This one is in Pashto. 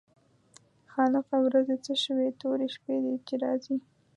خالقه ورځې څه شوې تورې شپې دي چې راځي.